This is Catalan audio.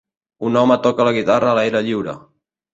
Un home toca la guitarra a l'aire lliure.